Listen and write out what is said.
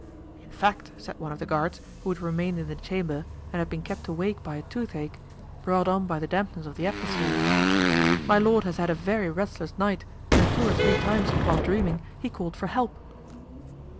"In fact," said one of the guards who had remained in the chamber and had been kept awake by a toothache, brought on by the dampness of the atmosphere, "my lord has had a very restless night and two or three times, while dreaming, he called for help."